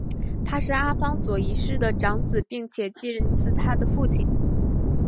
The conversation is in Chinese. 他是阿方索一世的长子并且继任自他的父亲。